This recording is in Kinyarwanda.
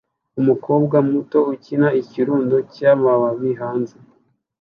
Umukobwa muto ukina ikirundo cyamababi hanze